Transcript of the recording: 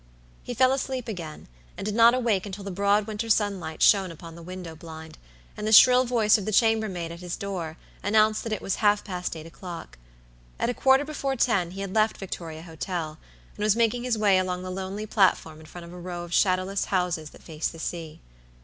He fell asleep again, and did not awake until the broad winter sunlight shone upon the window blind, and the shrill voice of the chambermaid at his door announced that it was half past eight o'clock. At a quarter before ten he had left Victoria Hotel, and was making his way along the lonely platform in front of a row of shadowless houses that faced the sea.